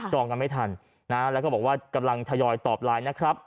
องกันไม่ทันนะแล้วก็บอกว่ากำลังทยอยตอบไลน์นะครับ